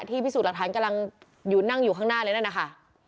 พิสูจน์หลักฐานกำลังอยู่นั่งอยู่ข้างหน้าเลยนั่นนะคะ